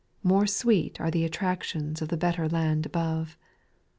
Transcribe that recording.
More sweet are the attractions of the better land above.